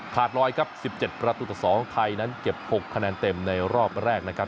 รอยครับ๑๗ประตูต่อ๒ไทยนั้นเก็บ๖คะแนนเต็มในรอบแรกนะครับ